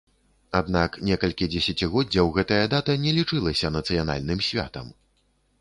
Аднак некалькі дзесяцігоддзяў гэтая дата не лічылася нацыянальным святам.